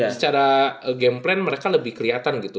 secara game plan mereka lebih kelihatan gitu